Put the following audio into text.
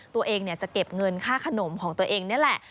ตัวเองจะเก็บเงินค่าขนมของตัวเองนี่แหละ